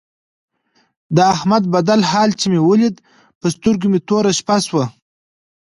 د احمد بدل حال مې چې ولید په سترګو مې توره شپه شوله.